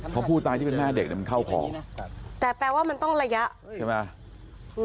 เพราะผู้ตายที่เป็นแม่เด็กเนี่ยมันเข้าของแต่แปลว่ามันต้องระยะใช่ไหม